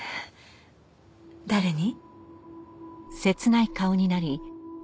誰に？